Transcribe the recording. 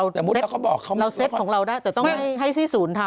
แต่สมมุติเราก็บอกเขาไม่ต้องทำอีกค่ะแต่ต้องให้ที่ศูนย์ทำ